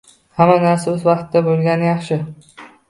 Hamma narsa o`z vaqtida bo`lgani yaxshi